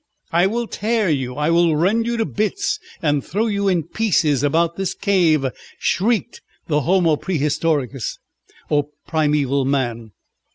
"I will tear you! I will rend you to bits and throw you in pieces about this cave!" shrieked the Homo Præhistoricus, or primeval man.